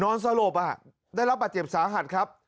นอนสลบอ่ะได้รับประเจ็บสาหัสครับ